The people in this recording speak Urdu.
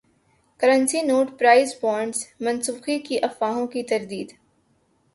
کرنسی نوٹ پرائز بانڈز منسوخی کی افواہوں کی تردید